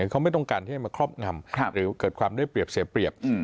เขาไม่ต้องการที่จะมาครอบงำหรือเกิดความได้เปรียบเสียเปรียบ